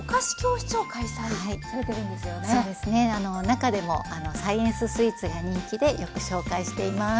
中でも「サイエンススイーツ」が人気でよく紹介しています。